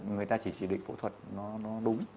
người ta chỉ chỉ định phẫu thuật nó đúng